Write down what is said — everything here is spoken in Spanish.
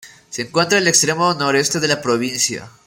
Se encuentra al extremo noreste de la provincia.